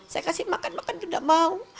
saya kasih makan makan nggak mau